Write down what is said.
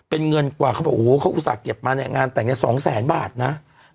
เป็นเงินกว่าเขาบอกโอ้โหเขาอุตส่าหยิบมาเนี่ยงานแต่งเนี่ย๒แสนบาทนะ